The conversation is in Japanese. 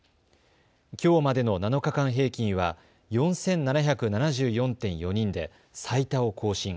きょうまでの７日間平均は４７７４．４人で最多を更新。